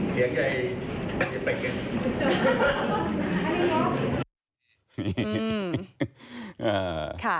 เกียรติใหญ่แย่ไปเกิด